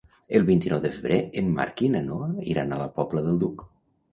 El vint-i-nou de febrer en Marc i na Noa iran a la Pobla del Duc.